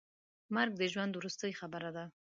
مرګ د ژوند وروستۍ خبره ده.